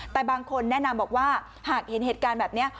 แต่บางคนแนะนำบอกว่าหากเห็นเหตุการณ์แบบนี้